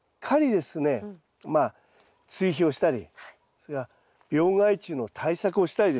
まあ追肥をしたりそれから病害虫の対策をしたりですね